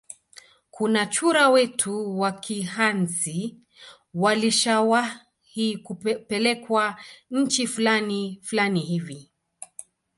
Kuna chura wetu wa kihansi walishawahi pelekwa nchi flani flani hivi